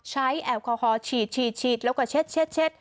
แอลกอฮอลฉีดแล้วก็เช็ด